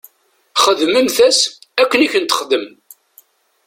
Xdmemt-as akken i kent-texdem.